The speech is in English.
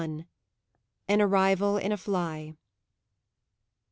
AN ARRIVAL IN A FLY.